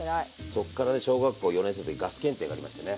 そっからね小学校４年生の時にガス検定がありましてね。